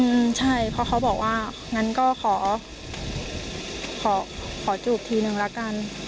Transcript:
อืมใช่เพราะเขาบอกว่างั้นก็ขอขอจูบทีนึงละกัน